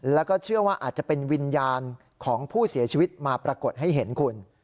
แล้วก็เชื่อว่าอาจจะเป็นวิญญาณของผู้เสียชีวิตมาปรากฏให้เห็นคุณ